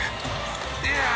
「いや！」